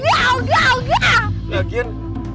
wah oh gila oh gila oh gila